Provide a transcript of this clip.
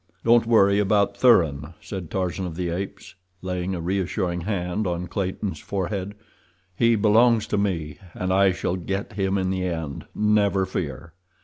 "Don't worry about Thuran," said Tarzan of the Apes, laying a reassuring hand on Clayton's forehead. "He belongs to me, and I shall get him in the end, never fear."